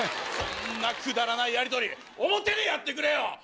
そんなくだらないやりとり表でやってくれよ！